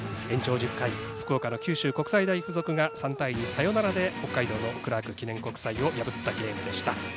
延長１０回福岡の九州国際大付属が３対２、サヨナラで北海道のクラーク記念国際を破ったゲームでした。